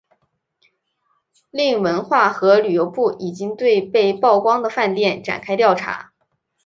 另文化和旅游部已经对被曝光的饭店展开调查。